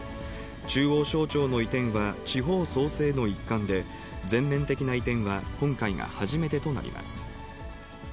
中央省庁の移転は、地方創生の一環で、全面的な移転は今回が初めてとなります。